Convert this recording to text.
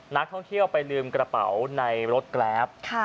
นักท่องเที่ยวไปลืมกระเป๋าในรถแกรป